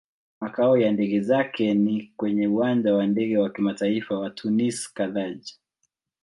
Makao ya ndege zake ni kwenye Uwanja wa Ndege wa Kimataifa wa Tunis-Carthage.